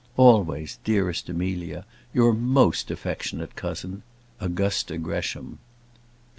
Always, dearest Amelia, Your most affectionate cousin, AUGUSTA GRESHAM.